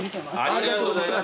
ありがとうございます！